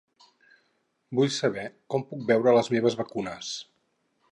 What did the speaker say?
Vull saber com puc veure les meves vacunes.